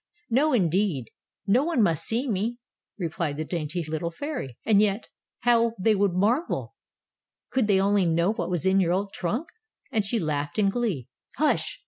"No, indeed! No one must see me," replied the dainty little fairy. "And yet, how they would marvel, could they only know what was in your old trunk." And she laughed in glee. "Hush!"